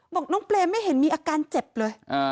บอกน้องเปรย์ไม่เห็นมีอาการเจ็บเลย